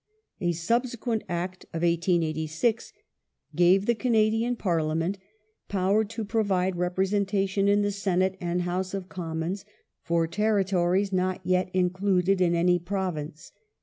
A subsequent Act of 1886 ^ gave the Canadian Parliament power to provide representation in the Senate and House of Commons for territories not yet included in any Province.